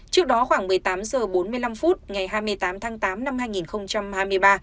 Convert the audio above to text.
trước đó khoảng một mươi tám h bốn mươi năm phút ngày hai mươi tám tháng tám năm hai nghìn hai mươi ba